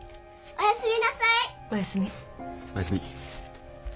おやすみ。